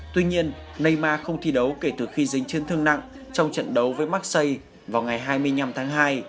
tuy nhiên nay không thi đấu kể từ khi dính chân thương nặng trong trận đấu với maxi vào ngày hai mươi năm tháng hai